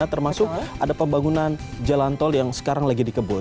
termasuk ada pembangunan jalan tol yang sekarang lagi dikebut